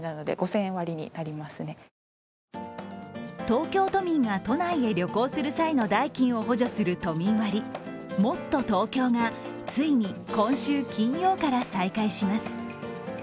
東京都民が都内へ旅行する際の代金を補助する都民割、もっとＴｏｋｙｏがついに今週金曜から再開します。